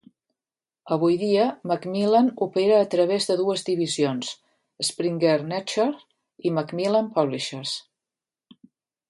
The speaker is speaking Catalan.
Avui dia, Macmillan opera a través de dues divisions: Springer Nature i Macmillan Publishers.